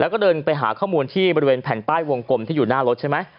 ข้อมูลที่บริเวณแผ่นป้ายวงกลมที่อยู่หน้ารถใช่ไหม